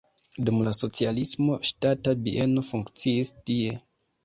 Dum la socialismo ŝtata bieno funkciis tie.